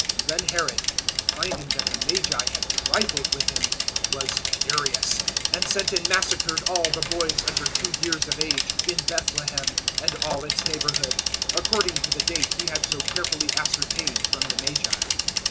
002:016 Then Herod, finding that the Magi had trifled with him, was furious, and sent and massacred all the boys under two years of age, in Bethlehem and all its neighbourhood, according to the date he had so carefully ascertained from the Magi.